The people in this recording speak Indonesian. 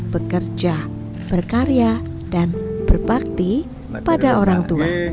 bekerja berkarya dan berbakti pada orang tua